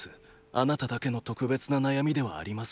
あなただけの特別な悩みではありません。